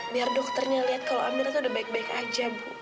biar dokternya liat kalo amira tuh udah baik baik aja bu